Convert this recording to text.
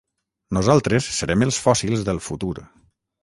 Nosaltres serem els fòssils del futur